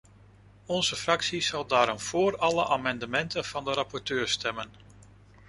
Onze fractie zal daarom voor alle amendementen van de rapporteur stemmen.